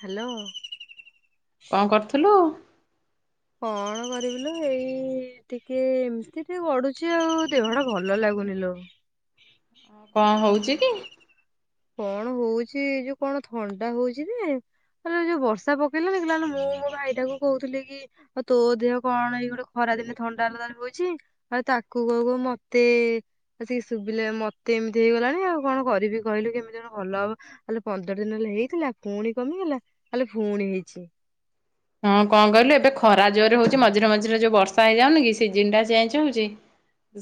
Hello. କଣ କରୁଥିଲୁ? କଣ କରିବି ଲୋ ଏଇ ଟିକେ ଏମିତି ଟିକେ ଗଡୁଛି ଆଉ ଦେହଟା ଭଲ ଲାଗୁନି ଲୋ କଣ ହଉଛି କି? କଣ ହଉଛି ଏଇ ଯୋଉ କଣ ଥଣ୍ଡା ହଉଛି ଜେ ଆଲୋ ଏ ଯୋଉ ବର୍ଷା ପକେଇଲା କି ଆଲୋ ମୁଁ ମୋ ଭାଇଟାକୁ କହୁଥିଲି କି ଆଉ ତୋ ଦେହ କଣ ଏଇ ଗୋଟେ ଖରା ଦିନେ ଥଣ୍ଡା [inaudible] ଆଉ ତାକୁ କହୁ କଉ ମତେ ଆ ସୁବିିଲା ମତେ ଏମିତି ହେଇଗଲାଣି ଆଉ କଣ କରିବି। କହିଲୁ କେମିତି ଜଣ ଭଲ ହବ ହେଲେ ପନ୍ଦର ଦିନ ହେଲା ହେଇଥିଲା ପୁଣି କମିଗଲା ଆଲୋ ପୁଣି ହେଇଛି। ହଁ କଣ କହିଲୁ ଏବେ ଖରା ଜୋରରେ ହଉଛି ମଝିରେ ମଝିରେ ଯୋଉ ବର୍ଷା ହେଇଯାଉନି କି ସିଜନ ଟା ଚେଞ୍ଜ ହଉଛି।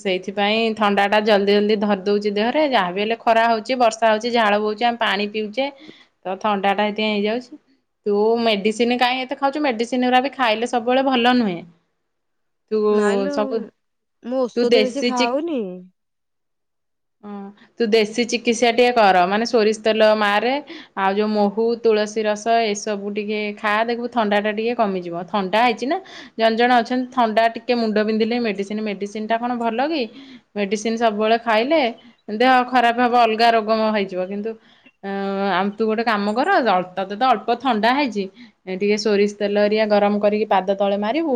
ସେଇଥିପାଇ ଥଣ୍ଡା ଟା ଜଲ୍ଦି ଜଲଦି ଧରିଦଉଛି ଦେହରେ ଯାହା ବି ହେଲେ ଖରା ହଉଛି ବର୍ଷା ହଉଛି ଝାଳ ବହୁଛି ଆମ ପାଣି ପିଉଛେ ତ ଥଣ୍ଡା ଟା ହେଥିପାଇଁ ହେଇଯାଉଛି ତୁ ମେଡିସିନକାଇଁ ଏତେ ଖାଉ ଖାଉଛୁ ମେଡ଼ିସିନ ଗୁରାବି ଖାଇଲେ ସବୁବେଳେ ଭଲ ନୁହେଁ। ତୁ ନାଇଁଲୋ ସବୁ ମୁଁ ତୁ ଔଷଧ ବେଶୀ ଦେଶୀ ଚି ଖାଉନି ହଁ ତୁ ଦେଶୀ ଚିକିତ୍ସା ଟିକେ କର ମାନେ ସୋରିଷ ତେଲ ମା ରେ ଆଉ ଯୋଉ ମହୁ ତୁଳସୀ ରସ ଏସବୁ ଟିକେ ଖା ଦେଖୁ ଥଣ୍ଡାଟା ଟିକିେ କମିଯିବ ଥଣ୍ଡା ହେଇଛି ନା ଜଣେ ଜଣେ ଅଛନ୍ତି ଥଣ୍ଡା ଟିକେ ମୁଣ୍ଡ ବିନ୍ଧିଲେ ମେଡିସିନ ମେଡିସିନ ଟା କଣ ଭଲ କି? ମେଡିସିନ ସବୁବେଳେ ଖାଇଲେ ଦେହ ଖରାପ ହବ ଅଲଗା ରୋଗ ହେଇଯିବ କିନ୍ତୁ ଅ ଆମ ତୁ ଗୋଟେ କାମ କର ତତେ ତ ଅଳ୍ପ ଥଣ୍ଡା ହେଇଛି ଟିକେ ସୋରିଷ ତେଲ ହେରିଆ ଗରମ କରିକି ପାଦ ତଳେ ମାରିବୁ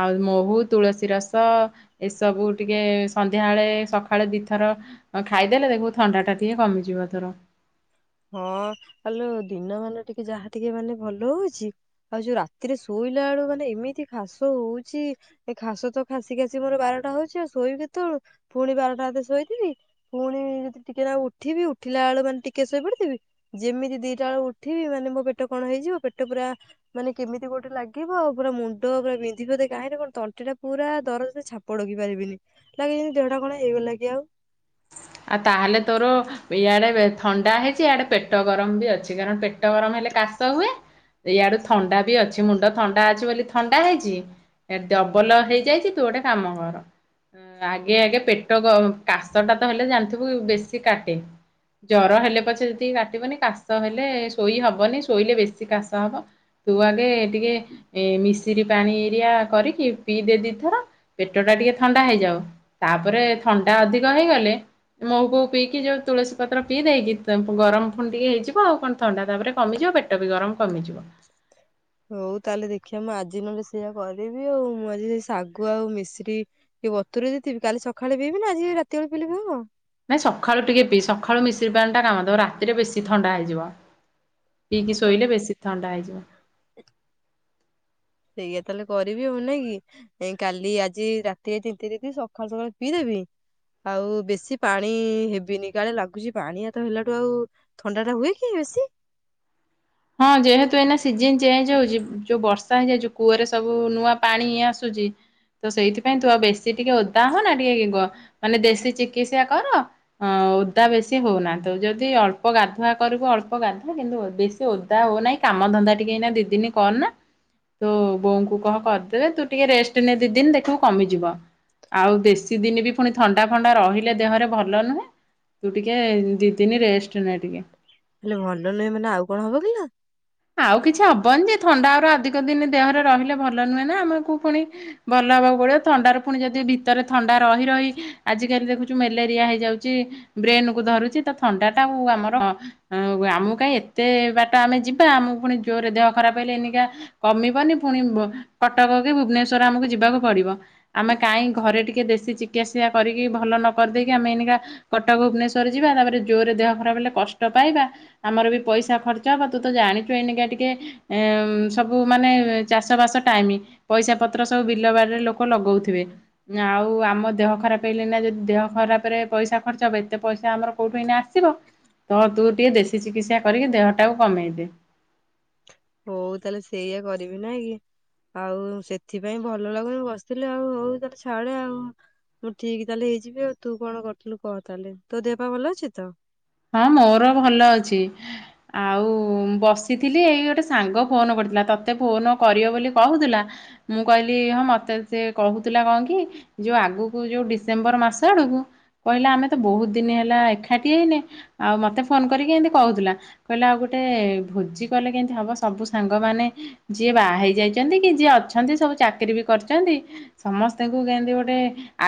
ଆଉ ମହୁ ତୁଳସୀ ରସ ଏସବୁ ଟିକେ ସନ୍ଧ୍ୟାବେଳେ ସକାଳେ ଦିଥର ଖାଇଦେଲେ ଦେଖୁ ଥଣ୍ଡା ଟା ଟିକେ କମିଯିବ ତୋର ହଁ ହଲୋ ଦିନ ମାନେ ଟିକେ ଯାହା ଟିକେ ମାନେ ଭଲ ହଉଛି ଆଉ ଯୋଉ ରାତିରେ ଶୋଇଲା ବେଳୁ ମାନେ ଏମିତି କାସ ହଉଛି ଏ ଖାସ ତ ଖାସି ଖାସି ମୋର ବାରଟା ହଉଛି ଆଉ ଶୋଇବି କେତେବେଳୁ ପୁଣି ବାରଟା ବେ ଶୋଇଥବି ପୁଣି ଯଦି ଟିକେ ନା ଉଠିବି ଉଠିଲା ବେଳ ମାନେ ଟିକେ ଶୋଇପଡେ ଯେମିତି ଦିଟା ବେଳୁ ଉଠିବି ମାନେ ମୋ ପେଟ କଣ ହେଇଯିବ ପେଟ ପୁରା ମାନେ କେମିତି ଗୋଟେ ଲାଗିବ ଆଉ ପୁରା ମୁଣ୍ଡ ପୁରା ବିନ୍ଧିବ ଯେ କାହିଁକି କଣ ତଣ୍ଟି ଟା ପୁରା ଦରଜ ଛା ପ ଡକି ପାରିବିନି ଲାଗିବ ଯେମିତି ଦେହଟା କଣ ହେଇଗଲା କି ଆଉ। ଆଉ ତାହେଲେ ତୋର ଇଆଡେ ଥଣ୍ଡା ହେଇଛି ଇଆଡେ ପେଟ ଗରମ ବି ଅଛି କାରଣ ପେଟ ଗରମ ହେଲେ କାଶ ହୁଏ। ୟିଆଡୁ ଥଣ୍ଡା ବି ଅଛି ମୁଣ୍ଡ ଥଣ୍ଡା ଅଛି ବୋଲି ଥଣ୍ଡା ହେଇଛି ଏ ଡବଲ ହେଇଯାଇଛି ତୁ ଗୋଟେ କାମ କର ଆଗେ ଆଗେ ପେଟ କାଶ ଟା ତ ହେଲେ ଜାଣିଥିବୁ ବେଶୀ କାଟେ ଜର ହେଲେ ପଛେ ଯେତିକି କାଟିବନି କାଶ ହେଲେ ଶୋଇ ହବନି ଶୋଇଲେ ବେଶୀ କାଶ ହବ। ତୁ ଆଗେ ଟିକେ ଏ ମିଶ ସିରି ପାଣି ହେରିଆ କରିକି ପିଇ ଦେ ଦିଥର ପେଟ ଟା ଟିକେ ଥଣ୍ଡା ହେଇଯାଉ ତାପରେ ଥଣ୍ଡା ଅଧିକ ହେଇଗଲେ ମହୁ ଫହୁ ପିଇକି ଯୋଉ ତୁଳସୀ ପତ୍ର ପିଇ ଦେଇକି ଗରମ ଫୁଣି ଟିକେ ହେଇଯିବ ଆଉ କଣ ଥଣ୍ଡା ତାପରେ କମିଯିବ ପେଟ ପେଟ ବି ଗରମ କମିଯିବ। ହଉ ତାହେଲେ ଦେଖିବା ମୁଁ ଆଜି ନହେଲେ ସେଇଆ କରିବି ଆଉ ମୁଁ ଆଜି ଶାଗୁ ଆଉ ମିଶ୍ରୀ ଏ ବତୁରି ଦେଇଥିବି କାଲି ସକାଳେ ପିବି ନା ଆଜି ରାତି ବେଳେ ପିଇଲେବି ହବ ନାଇଁ ସକାଳୁ ଟିକେ ପି ସକାଳୁ ମିଶିରି ପାଣି ଟା କାମ ଦବ ରାତିରେ ବେଶୀ ଥଣ୍ଡା ହେଇଯିବ। ପିଇକି ହଉ ତାହେଲେ ଶୋଇଲେ ବେଶୀ ଥଣ୍ଡା ହେଇଯିବ। ସେଇଆ ତାହେଲେ କରିବି ହବ ନାଇଁ କି। ଏ କାଲି ଆଜି ରାତି ଆ ଦି ତିନିଦିନ ସକାଳୁ ସକାଳୁ ପିଇଦେବି ଆଉ ବେଶୀ ପାଣି ହେବିନି କାଳେ ଲାଗୁଛି ପାଣି ହାତ ହେଲାଠୁ ଆଉ ଥଣ୍ଡା ଟା ହୁଏ କି ବେଶୀ? ହଁ ଯେହେତୁ ଏଇନା ସିଜିନ ଚେଞ୍ଜ ହଉଛି ଯୋଉ ବର୍ଷା ହେଇଯାଉଛି କୂଅରେ ସବୁ ନୂଆ ପାଣିଇ ଆସୁଛି ତ ସେଇଥିପାଇଁ ତୁ ଆଉ ବେଶୀ ଟିକେ ଓଦା ହ ନା ଟିକେ କ ମାନେ ଦେଶୀ ଚିକିତ୍ସା କର ଅ ଓଦା ବେଶୀ ହଉନାହାନ୍ତୁ ଯଦି ଅଳ୍ପ ଗାଧୁଆ କରିବୁ ଅଳ୍ପ ଗାଧୁଆ କିନ୍ତୁ ବେଶୀ ଓଦା ହଅ ନାଇଁ କାମ ଧନ୍ଦା ଟିକେ ଏଇ ଦି ଦିନି କରନା ତୁ ବୋଉଙ୍କୁ କହ କରିଦେବେ ତୁ ଟିକେ ରେଷ୍ଟ ନେ ଦି ଦିନ ଦେଖିବୁ କମିଯିବ। ଆଉ ଦେଶୀ ଦିନ ବି ପୁଣି ଥଣ୍ଡା ଫଣ୍ଡା ରହିଲେ ଦେହରେ ଭଲ ନୁହେଁ। ତୁ ଟିକେ ଦି ଦିନି ରେଷ୍ଟ ନେ ଟିକେ। ହେଲେ ଭଲ ନୁହେଁ ମାନେ ଆଉ କଣ ହବ କିଲୋ। ଆଉ କିଛି ହବନି ଯେ ଥଣ୍ଡା ଗୁଡ଼ା ଅଧିକ ଦିନ ଦେହରେ ରହିଲେ ଭଲ ନୁହେଁ ନା ଆମକୁ ପୁଣି ଭଲ ହବାକୁ ପଡିବ ଥଣ୍ଡାରେ ପୁଣି ଯଦି ଭିତରେ ଥଣ୍ଡା ରହି ରହି ଆଜିକାଲି ଦେଖୁଛୁ ମ୍ୟାଲେରିଆ ହେଇଯାଉଛି ବ୍ରେନ କୁ ଧରୁଛି ତ ଥଣ୍ଡା ଟା ମୁ ଆମର ଆମକୁ କାହିଁ ଏତେ ବାଟ ଆମେ ଯିବା ଆମକୁ ପୁଣି ଜୋରରେ ଦେହ ଖରାପ ହେଇଲେ ଏଇନିକା କମିବନି ପୁଣି କଟକ କି ଭୁବନେଶ୍ଵର ଆମକୁ ଯିବାକୁ ପଡିବ ଆମେ କାହିଁ ଘରେ ଟିକେ ଦେଶୀ ଚିକିସ କରିକି ଭଲ ନ କରିଦେଇକି ଆମେ ଏଇନିକା କଟକ ଭୁବନେଶ୍ଵର ଯିବା ତାପରେ ଜୋରରେ ଦେହ ଖରାପ ହେଲେ କଷ୍ଟ ପାଇବା ଆମର ବି ପଇସା ଖର୍ଚ୍ଚ ହବ ତୁ ତ ଜାଣିଛୁ ଏଇନିକା ଟିକେ ସବୁ ମାନେ ଚାଷବାସ ଟାଇମ୍ ପଇସା ପତ୍ର ସବୁ ବିଲ ବାଡିରେ ଲୋକ ଲଗଉଥିବେ। ଆଉ ଆମ ଦେହ ଖରାପ ହେଲେ ନା ଯଦି ଦେହ ଖରାପରେ ପଇସା ଖର୍ଚ୍ଚ ହବ ଏତେ ପଇସା ଆମର କୋଉଠୁ ହେଇନା ଆ ସିବ ତୁ ଟିକେ ଦେଶୀ ଚିକିତ୍ସା କରିକି ଦେହ ଟାକୁ କମେଇଦେ। ହଉ ତାହେଲେ ସେଇଆ କରିବି ନାଇଁକି। ଆଉ ସେଥିପାଇଁ ଭଲ ଲାଗୁନି ବସିଥିଲି ଆଉ ହଉ [unintelligible] ଛାଡେ ଆଉ। ମୁଁ ଠିକ୍ ତାହେଲେ ହେଇଯିବି ଆଉ ତୁ କଣ କରିଥିଲୁ କହ ତାହେଲେ ତୋ ଦେହ ପା ଭଲ ଅଛି ତ? ହଁ ମୋର ଭଲ ଅଛି। ଆଉ ମୁ ବସିଥିଲି ଏଇ ଗୋଟେ ସାଙ୍ଗ ଫୋନ୍ କରିଥିଲା ତତେ ଫୋନ୍ କରିବ ବୋଲି କହୁଥିଲା ମୁଁ କହିଲି ହଁ ମତେ ସିଏ କହୁଥିଲା କଣ କି ଯୋଉ ଆଗକୁ ଯୋଉ ଡିସେମ୍ବର ମାସ ଆଡକୁ କହିଲା ଆମେ ତ ବହୁତ ଦିନ ହେଲା ଏକାଠି ହେଇନେ ଆଉ ମତେ ଫୋନ୍ କରିକି ଏମତି କହୁଥିଲା। କହିଲା ଆଉ ଗୋଟେ ଭୋଜି କଲେ କେମିତି ହବ ସବୁ ସାଙ୍ଗମାନେ ଯିଏ ବାହା ହେଇ ଯାଇଚନ୍ତି କି ଯିଏ ଅଛନ୍ତି ସବୁ ଚାକିରୀ ବି କରିଚନ୍ତି ସମସ୍ତଙ୍କୁ କେମିତି ଗୋଟେ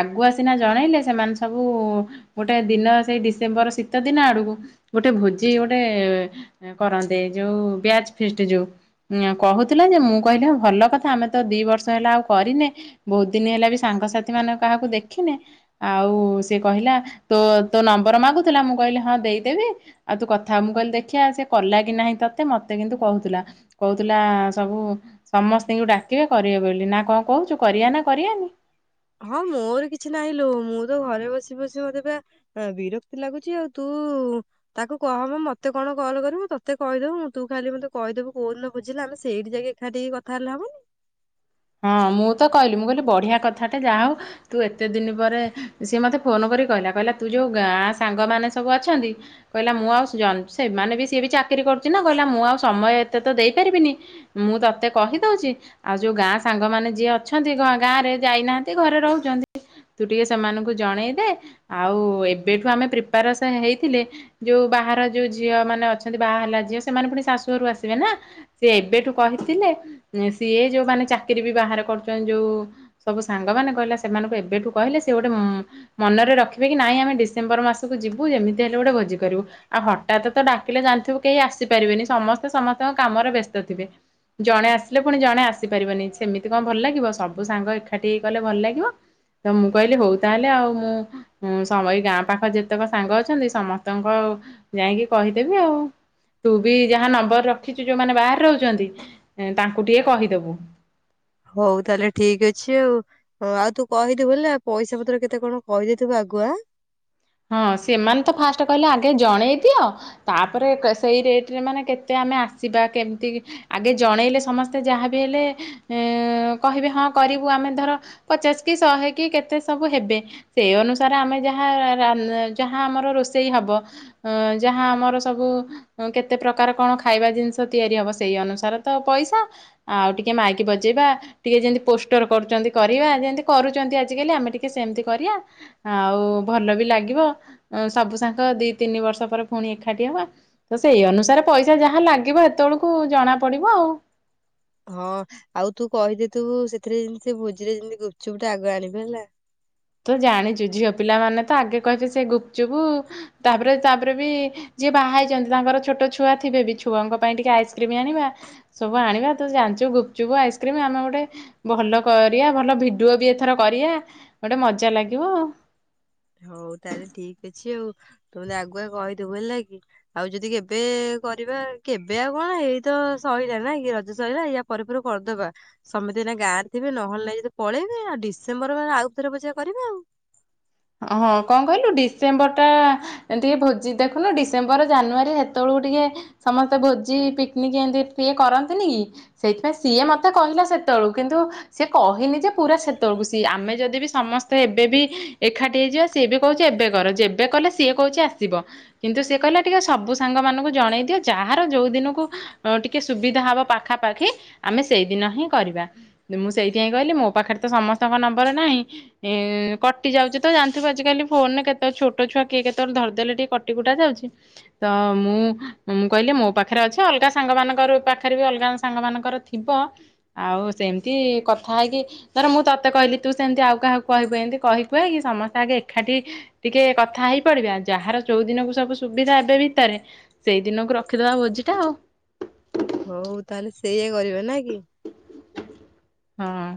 ଆଗୁଆ ସିନା ଜଣେଇଲେ ସେମାନେ ସବୁ ଗୋଟେ ଦିନ ସେଇ ଡିସେମ୍ବର ଶୀତ ଦିନ ଆଡକୁ ଗୋଟେ ଭୋଜି ଗୋଟେ କରନ୍ତେ ଯୋଉ ବ୍ୟାଚ୍ ଫିଷ୍ଟ ଯୋଉ କହୁଥିଲା ଯେ ମୁଁ କହିଲି ଭଲ କଥା ଆମେ ତ ଦି ବର୍ଷ ହେଲା ଆଉ କରିନେ ବହୁତ୍ ଦିନି ହେଲା ବି ସାଙ୍ଗସାଥି ମାନେ କାହାକୁ ଦେଖିନେ ଆଉ ସେ କହିଲା ତୋ ତୋ ନମ୍ବର ମାଗୁଥିଲା ମୁଁ କହିଲେ ହଁ ଦେଇଦେବି ଆଉ ତୁ କଥାହ ମୁଁ କହିଲି ଦେଖିବା ସେ କଲା କି ନାହିଁ ତତେ ମତେ କିନ୍ତୁ କହୁଥିଲା। କହୁଥିଲା ସବୁ ସମସ୍ତଙ୍କୁ ଡାକିବେ କରିବେ ବୋଲି ନା କଣ କହୁଚୁ କରିବା ନା କରିଆନି? ହଁ ମୋର କିଛି ନାହିଁ ଲୋ ମୁଁ ତ ଘରେ ବସି-ବସି ମତେବା ହ ବିରକ୍ତି ଲାଗୁଚି ଆଉ ତୁ ତାକୁ କହବ ମତେ କଣ କଲ୍ କରିବ ତତେ କହିଦଵୁ ତୁ ଖାଲି ମତେ କହିଦବୁ କୋଉଦିନ ବୁଝିଲେ ଆମେ ସେଇଠି ଯାଇକି [unintelligible] ଟିକେ କଥା ହେଲେ ହବନି। ହଁ ମୁଁ ତ କହିଲି ମୁଁ କହିଲି ବଢିଆ କଥାଟେ ଯାହା ହଉ ତୁ ଏତେ ଦିନ ପରେ ସିଏ ମତେ ଫୋନ୍ କରି କହିଲା କହିଲା ତୁ ଯୋଉ ଗାଁ ସାଙ୍ଗମାନେ ସବୁ ଅଛନ୍ତି କହିଲା ମୁଁ ଆଉ ସେମାନେ ବି ସିଏ ବି ଚାକିରି କରୁଚି ନା କହିଲା ମୁଁ ଆଉ ସମୟ ଏତେ ତ ଦେଇପାରିବିନି ମୁଁ ତତେ କହିଦଉଚି ଆଉ ଯୋଉ ଗାଁ ସାଙ୍ଗମାନେ ଯିଏ ଅଛନ୍ତି ଗାଁ ରେ ଯାଇନାହାନ୍ତି ଘରେ ରହୁଚନ୍ତି ତୁ ଟିକେ ସେମାନଙ୍କୁ ଜଣେଇ ଦେ ଆଉ ଏବେଠୁ ଆମେ ପ୍ରିପାରସ୍ ହେଇଥିଲେ ଯୋଉ ବାହାର ଯୋଉ ଝିଅ ମାନେ ଅଛନ୍ତି ବାହା ହେଲା ଝିଅ ସେମାନେ ପୁଣି ଶାଶୁଘରୁ ଆସିବେ ନା ସିଏ ଏବେଠୁ କହିଥିଲେ ସିଏ ଯୋଉମାନେ ଚାକିରି ବି ବାହାର କରୁଚନ୍ତି ଯୋଉ ସବୁ ସାଙ୍ଗମାନେ କହିଲା ସେମାନଙ୍କୁ ଏବେଠୁ କହିଲେ ସେ ଗୋଟେ ମନରେ ରଖିବେ କି ନାଇଁ ଆମେ ଡିସେମ୍ବର ମାସକୁ ଯିବୁ ଯେମିତି ହେଲେ ଗୋଟେ ଭୋଜି କରିବୁ। ଆଉ ହଠାତ୍ ତ ଡାକିଲେ ଜାଣିଥିବୁ କେହି ଆସିପାରିବେନି ସମସ୍ତେ ସମସ୍ତଙ୍କ କାମରେ ବ୍ୟସ୍ତ ଥିବେ। ଜଣେ ଆସିଲେ ପୁଣି ଜଣେ ଆସିପାରିବନି। ସେମିତି କଣ ଭଲ ଲାଗିବ ସବୁ ସାଙ୍ଗ ଏକାଠି ହେଇ କଲେ ଭଲ ଲାଗିବ। ତ ମୁଁ କହିଲି ହଉ ତାହେଲେ ଆଉ ମୁଁ ଉଁ ସମ ଗାଁ ପାଖରେ ଯେତେକ ସାଙ୍ଗ ଅଛନ୍ତି ସମସ୍ତଙ୍କ ଯାଇକି କହିଦେବି ଆଉ। ତୁ ବି ଯାହା ନମ୍ବର ରଖିଚୁ ଯୋଉମାନେ ବାହାରେ ରହୁଚନ୍ତି ତାଙ୍କୁ ଟିକେ କହିଦବୁ। ହଉ ତାହେଲେ ଠିକ୍ ଅଛି ଆଉ। ହଁ ଆଉ ତୁ କହିଦିବୁ ହେଲା ପଇସା ପତ୍ର କେତେ କଣ କହିଦେଇଥିବୁ ଆଗୁଆ। ହଁ ସେମାନେ ତ ଫାଷ୍ଟ କହିଲେ ଆଗେ ଜଣେଇ ଦିଅ ତାପରେ ସେଇ ରେଟ୍ ରେ ମାନେ କେତେ ଆମେ ଆସିବା କେମିତି ଆଗେ ଜଣେଇଲେ ସମସ୍ତେ ଯାହାବି ହେଲେ କହିବେ ହଁ କରିବୁ ଆମେ ଧର ପଚାଶ କି ଶହେ କି କେତେ ସବୁ ହେବେ ସେଇ ଅନୁସାରେ ଆମେ ଯାହା ଯାହା ଆମର ରୋଷେଇ ହବ ଯାହା ଆମର ସବୁ କେତେ ପ୍ରକାର କଣ ଖାଇବା ଜିନିଷ ତିଆରି ହବ ସେଇ ଅନୁସାରେ ତ ପଇସା ଆଉ ଟିକେ ମାଇକି ବଜେଇବା ଟିକେ ଯେମିତି ପୋଷ୍ଟର କରୁଛନ୍ତି କରିବା ଯେମତି କରୁଛନ୍ତି ଆଜିକାଲି ଆମେ ଟିକେ ସେମିତି କରିବା ଆଉ ଭଲ ବି ଲାଗିବ ସବୁ ସାଙ୍ଗ ଦି ତିନି ବର୍ଷ ପରେ ପୁଣି ଏକାଠି ହବା ତ ସେଇ ଅନୁସାରେ ପଇସା ଯାହା ଲାଗିବ ସେତେବେଳକୁ ଜଣା ପଡିବ ଆଉ ହଁ ଆଉ ତୁ କହିଦେଇଥଇବୁ ସେଥିରେ ଯେମିତି ସେ ଭୋଜିରେ ଯେମିତି ଗୁପଚୁପୁ ଟା ଆଗ ଆଣିବି ହେଲା ତ ଜାଣିଛୁ ଝିଅ ପିଲାମାନେ ତ ଆଗେ କହିବେ ସେ ଗୁପଚୁପୁ ତାପରେ ତାପରେ ବି ଯିଏ ବାହା ହେଇଛନ୍ତି ତାଙ୍କର ଛୋଟ ଛୁଆ ଥିବେ ବି ଛୁଆଙ୍କ ପାଇଁ ଟିକେ ଆଇସ୍କ୍ରିମ ଆଣିବା ସବୁ ଆଣିବା ତୁ ଜାଣିଛୁ ଗୁପୁଚୁ୍ପୁ ଆଇସ୍କ୍ରିମ୍ ଆମେ ଗୋଟେ ଭଲ କରିବା ଭଲ ଭିଡିଓ ବି ଏଥର କରିବା ଗୋଟେ ମଜା ଲାଗିବ ହଉ ତାହେଲେ ଠିକ ଅଛି ଆଉ ତୁ ମୋତେ ଆଗୁଆ କହିଦେବୁ ହେଲା କି ଆଉ ଯଦି କେବେ କରିବା କେବେ ଆଉ କଣ ଏଇତ ସରିଲା ନାଇକି ରଜ ସରିଲା ଇା ପରେ ପରେ କରିଦବା ସମଟେ ଏଇନା ଗାଁରେ ଥିବେ ନହେଲେ ନାଇ ଯଦି ପଳେଇବେ ଆଉ ଡିସେମ୍ବରରେ ଆଉ ଥରେ ପୂଜା କରିବ ଆଉ ହଁ କଣ କହିଲୁ ଡିସେମ୍ବର ଟା ଟିକେ ଭୋଜି ଦେଖନୁ ଡିସେମ୍ବର ଜାନୁଆରୀ ସେତେବେଳକୁ ଟିକେ ସମସ୍ତେ ଭୋଜି ପିକନିକ ଏମତି ଏ କରନ୍ତିନି କି ସେଇଥିପାଇଁ ସିଏ ମତେ କହିଲା ସେତେବେଳୁ କିନ୍ତୁ ସିଏ କହିନି ଯେ ପୁରା ସେତେବେଳକୁ ସିଏ ଆମେ ଯଦି ବି ସମସ୍ତେ ଏବେ ବି ଏକାଠି ହେଇଯିବା ସିଏ ବି କହୁଛି ଏବେ କର ଯେବେ କଲେ ସିଏ କହୁଛି ଆସିବ କିନ୍ତୁ ସେଏ କହିଲା ଟିକେ ସବୁ ସାଙ୍ଗମାନଙ୍କୁ ଜଣେଇ ଦିଅ ଯାହାର ଯେଉଁ ଦିନକୁ ଟିକେ ସୁବିଧା ହବ ପାଖାପାଖି ଆମେ ସେଇଦିନ ହିଁ କରିବା ମୁଁ ସେଇଥିପାଇଁ କହିଲି ମୋ ପାଖରେ ତ ସମସ୍ତଙ୍କ ନମ୍ବର ନାହିଁ କଟି ଯାଉଛି ତ ଜାଣିଥିବ ଆଜିକାଲି ଫୋନରେ କେତେ ଛୋଟ ଛୁଆ କିଏ କେତବେଳେ ଧରିଦେଲେ ଟିକେ କଟିକୁଟା ଯାଉଛି ତ ମୁଁ ମୁଁ କହିଲି ମୋ ପାଖରେ ଅଛି ଅଲଗା ସାଙ୍ଗ ମାନଙ୍କର ପାଖରେ ବି ଅଲଗା ସାଙ୍ଗ ମାନଙ୍କର ଥିବ ଆଉ ସେମିତି କଥା ହେଇକି ଧର ମୁଁ ତତେ କହିଲି ତୁ ସେମିତି ଆଉ କାହାକୁ କହିବୁ ଏମିତି କହିି ହି କି ସମସ୍ତେ ଆଗେ ଏକାଠି ଟିକେ କଥା ହେଇ ପଡିବା ଯାହାର ଚଉଦିନକୁ ସବୁ ସୁବିଧା ଏବେ ଭିତରେ ସେଇଦିନକୁ ରଖିଦେବା ଭୋଜିଟା ଆଉ ହଉ ତାହେଲେ ସେଇଆ କରିବ ନା କି ହଁ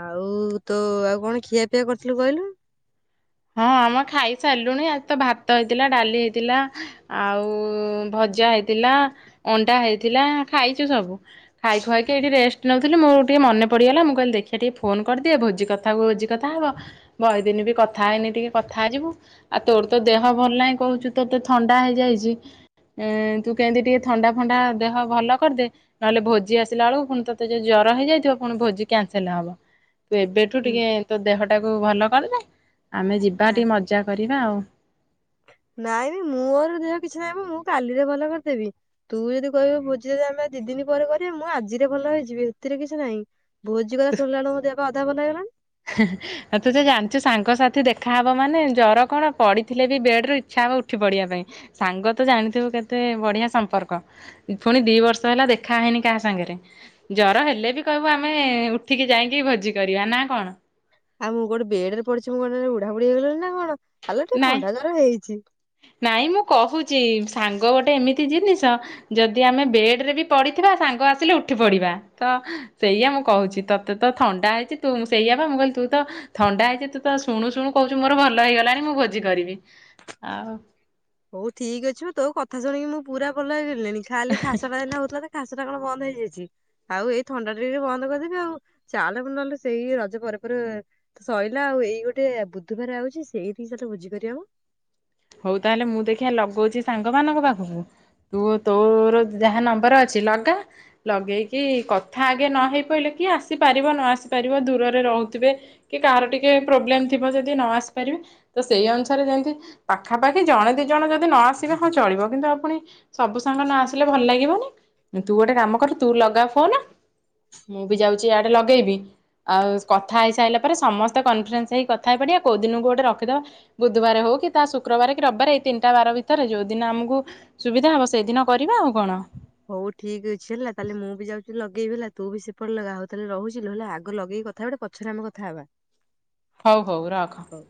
ଆଉ ତ ଆଉ କଣ ଖିଆ ପିଆ କରିଥିଲୁ କହିଲୁ ହଁ ଆମେ ଖାଇ ସାରିଲୁଣି ଆ ତ ଭାତ ହେଇଥିଲା ଡାଲି ହେଇଥିଲା ଆଉ ଭଜା ହେଇଥିଲା ଅଣ୍ଡା ହେଇଥିଲା ଖାଇଛୁ ସବୁ ଖାଇ ଖୁଆକ ଏଇଠି ରେଷ୍ଟ ନେଉଥିଲ ମଁ ଟିକେ ମନେ ପଡ଼ିଗଲା ମୁଁ କହିଲି ଦେଖିବା ଟିକେ ଫୋନ କରିଦିଏ ଭୋଜି କଥା କଥାକୁ ହୋଜି କଥା ହବ ବହେଦିନ ବି କଥା କଥା ହେଇନି ଟିକେ କଥା ହେଇଯିବୁ ଆଉ ତୋର ତ ଦେହ ଭଲ ନାହିଁ କହୁଛୁ ତୋତେ ତ ଥଣ୍ଡା ହେଇଯାଇଛି ଏ ତୁ କେମିତି ଟିକେ ଥଣ୍ଡା ଫଣ୍ଡା ଦେହ ଭଲ କରିଦେ ନହେଲେ ଭୋଜି ଆସିଲା ବେଳକୁ ପୁଣି ତୋତେ ଯୋଉ ଜର ହେଇଯାଇଥିବ ପୁଣି ଭୋଜି କ୍ୟାନସେଲ ହବ ତୁ ଏବେ ସେଠୁ ହୁଁ ଟିକେ ତୋ ଦେହଟାକୁ ଭଲ କରିଦେ ଆମେ ଯିବା ନା ଟିକେ ମଜା କରିବା ଆଉ ନାଇଁ ମୋର ଦେହ କିଛି ନାଇଁ ମୁଁ କାଲିରେ ଭଲ କରିଦେବି ତୁ ଯଦି କହିବୁ ଭୋଜି ଯଦି ଆମେ ଦି ଦିନ ପରେ କରିବୁ ମୁଁ ଆଜିରେ ଭଲ ହେଇଯିବି ହେଥିରେ କିଛି ନାହିଁ। ଭୋଜି କଥା ଶୁଣିଲା ବେଳକୁ ମୋ ଦେହ ବା ଅଧା ଭଲ ହେଇ ଗଲାଣି। ହେଁ ହେଁ ହଁ ତୁ ତ ଜାଣିଛୁ ସାଙ୍ଗସାଥି ଦେଖାହେବ ମାନେ ଜ୍ୱର କଣ ପଡ଼ିଥିଲେ ବି ବେଡ଼ ରୁ ଇଚ୍ଛା ହବ ଉଠି ପଡ଼ିବା ପାଇଁ। ସାଙ୍ଗ ତ ଜାଣିଥିବୁ କେତେ ବଢିଆ ସମ୍ପର୍କ। ପୁଣି ଦି ବର୍ଷ ହେଲା ଦେଖା ହେଇନି କାହା ସାଙ୍ଗରେ। ଜର ହେଲେ ବି କହିବୁ ଆମେ ଉଠିକି ଯାଇକି ଭୋଜି କରିବା ନା କଣ। ଆଉ ମୁଁ ଏଠି ବେଡ୍ ରେ ପଡିଛି ମୁଁ କଁ ବୁଢା ବୁଡିି ହେଇଗଲିଣି ନା କଣ ଆଲୋ ଟିକେ ନାଇଁ ଥଣ୍ଡା ଜର ହେଇଛି। ନାଇଁ ମୁଁ କହୁଛି ସାଙ୍ଗ ଗୋଟେ ଏମିତି ଜିନିଷ। ଯଦି ଆମେ ବେଡ ରେ ବି ପଡିଥିବା ସାଙ୍ଗ ଆସିଲେ ଉଠି ପଡିବା ତ ସେଇଆ ମୁଁ କହୁଛି ତ ତତେ ତ ଥଣ୍ଡା ହେଇଛି ତୁ ସେଇଆ ବା ମୁଁ କହିଲି ତୁ ତ। ଥଣ୍ଡା ହେଇଛି ତୁ ତ ଶୁଣୁ ଶୁଣୁ କହୁଛୁ ମୋର ଭଲ ହେଇଗଲାଣି ମୁଁ ଭୋଜି କରିବି ଆଉ। ହଉ ଠିକ୍ ଅଛି ମୁଁ ତୋଉ କଥା ଶୁଣିକି ମୁଁ ପୁରା ଭଲ ହେଇ ଗଲିଣି ଖାଲି ଖାସଟା ସେମିତି ହଉଥିଲା ଯେ। ଖାସଟା କଣ ବନ୍ଦ ହେଇଯାଇଛି। ଆଉ ଏଇ ଥଣ୍ଡା ଟା ଟିକ ବନ୍ଦ କରିଦେବି ଆଉ ଚାଲ ପୁଣି ନହିଲେ ସେଇ ରଜ ପରେ ପରେ। ତ ସଇଲା ଆଉ ଏଇ ଗୋଟେ ବୁଧବାର ଆଉଛି ସେଇଠି କଲେ ଭୋଜି କରି‌ହେବ। ହଉ ତାହେଲେ ମୁଁ ଦେଖିବା ଲଗଉଛି ସାଙ୍ଗମାନଙ୍କ ପାଖକୁ। ତୁ ତୋର ଯାହା ନମ୍ବର ଅଛି ଲଗା। ଲଗେଇକି କଥା ଆଗେ ନ ହେଇ ପଇଲେ କିଏ ଆସିପାରିବ ନ ଆସିପାରିବ ଦୂରରେ ରହୁଥିବେ। କି କାହାର ଟିକେ ପ୍ରୋବ୍ଲେମ ଥିବ ଯଦି ନ ଆସି ପାରିବେ ତ ସେଇ ଅନୁସାରେ ଯେମତି। ପାଖାପାଖି ଜଣେ ଦି ଜଣ ଯଦି ନ ଆସିବେ ହଁ ଚଳିବ କିନ୍ତୁ ଆଉ ପୁଣି। ସବୁ ସାଙ୍ଗ ନ ଆସିଲେ ଭଲ ଲାଗିବନି ତୁ ଗୋଟେ କାମ କରୁ ତୁ ଲଗା ଫୋନ। ମୁଁ ବି ଯାଉଛି ଇଆଡେ ଲଗେଇବି। ଆଉ କଥା ହେଇ ସାଇଲା ପରେ ସମସ୍ତେ କନଫିରେନ୍ସ ହେଇ କଥା ହେଇ ପଡିବା କୋଉ ଦିନକୁ ଗୋଟେ ରଖିଦବା। ବୁଧବାର ହଉ କି ଶୁକ୍ରବାରେ କି ରବିବାର ଏଇ ତିନିଟା ବାର ଭିତରେ ଯୋଉଦିନ ଆମକୁ ସୁବିଧା ହବ ସେଇଦିନ କରିବା ଆଉ କଣ। ହଉ ଠିକ ଅଛି ହେଲା ତାହେଲେ ମୁଁ ବି ଯାଉଛି ଲଗେଇବି ହେଲା ତୁ ବି ସେପଟ ଲଗା ହଉ ତାହେଲେ ରହୁିଛି ଲୋ ଆଗ ଲଗେଇକି କଥା ହେଇ ପଡେ ପଛ ପଛରେ ଆମେ କଥା ହବା। ହଉ ହଉ ରଖ। ହ